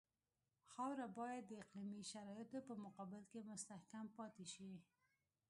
خاوره باید د اقلیمي شرایطو په مقابل کې مستحکم پاتې شي